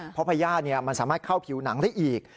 เพราะพญาติมันสามารถเข้าผิวหนังได้อีก